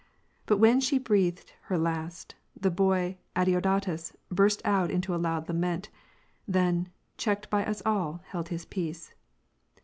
Biat when she breathed her last, the boy Adeodatus burst out into a loud lament ; then, checked by us all, held his peace.